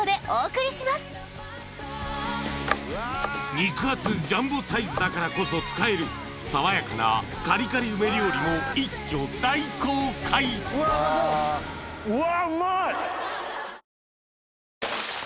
肉厚ジャンボサイズだからこそ使える爽やかなカリカリ梅料理も一挙大公開うわ。